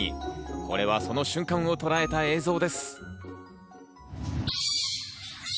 これは、その瞬間をとらえた映像です。